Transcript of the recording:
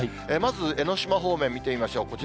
まず江の島方面、見てみましょう。